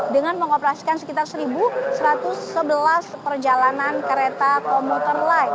dengan mengoperasikan sekitar satu satu ratus sebelas perjalanan kereta komuter lain